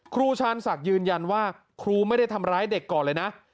ชาญศักดิ์ยืนยันว่าครูไม่ได้ทำร้ายเด็กก่อนเลยนะ